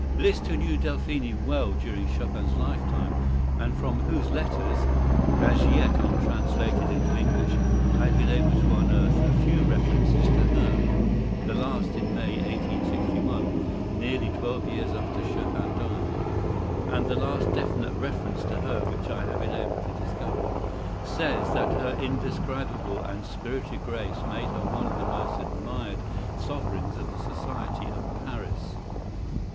Liszt, who knew Delphine well during Chopin's lifetime, and from whose letters, as yet untranslated into English, I have been able to unearth a few references to her (the last in May, 1861, nearly twelve years after Chopin died, and the last definite reference to her which I have been able to discover), says that her indescribable and spirited grace made her one of the most admired sovereigns of the society of Paris.